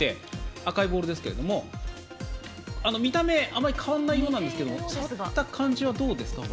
赤いボールですが見た目、あまり変わらないようなんですけど触った感じどうですか。